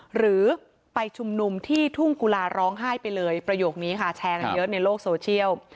หรือไปชุมนุมที่ทุ่งกุลาร้องไห้ไปเลยประโยคนี้ค่ะแชร์กันเยอะในโลกโซเชียล